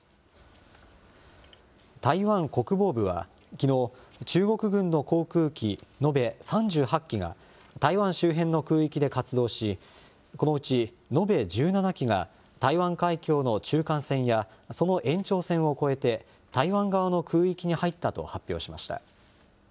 台湾国防部はきのう、中国軍の航空機延べ３８機が、台湾周辺の空域で活動し、このうち延べ１７機が、台湾海峡の中間線やその延長線を越えて、台湾側の空域に入ったと発表しました。